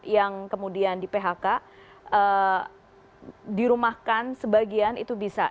yang kemudian di phk dirumahkan sebagian itu bisa